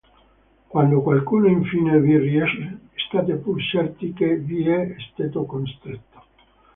Quando qualcuno infine vi riesce, state pur certi che vi è stato costretto.